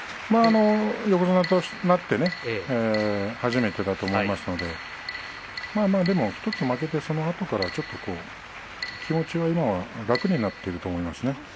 横綱になって初めてだと思いますのででも１つ負けて、そのあとから気持ちは、今は楽になっていると思いますね。